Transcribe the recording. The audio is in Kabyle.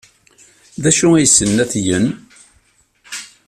D acu ay ssnen ad t-gen?